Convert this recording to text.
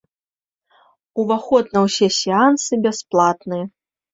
Уваход на ўсе сеансы бясплатны.